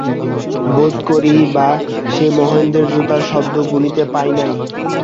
বোধ করি বা সে মহেন্দ্রের জুতার শব্দ শুনিতে পায় নাই।